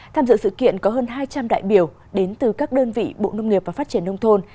tham dự sự kiện có hơn hai trăm linh đại biểu đến từ các đơn vị bộ nông nghiệp và phát triển nông thôn